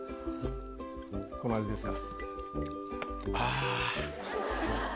この味ですか？